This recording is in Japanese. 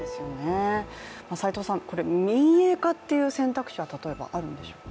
これ、民営化という選択肢はあるんでしょうか。